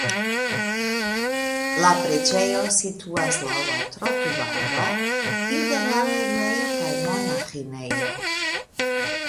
La preĝejo situas laŭ la trotuaro inter la lernejo kaj monaĥinejo.